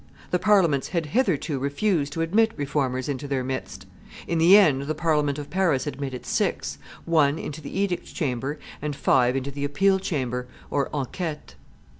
The Parliaments had hitherto refused to admit Reformers into their midst; in the end the Parliament of Paris admitted six, one into the edict chamber and five into the appeal chamber (enquetes).